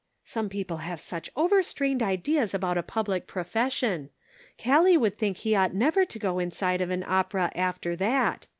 Some people have such over strained ideas about a public profession : Gallic would think he ought never to go inside of an opera after that.